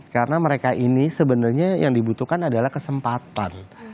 karena mereka ini sebenarnya yang dibutuhkan adalah kesempatan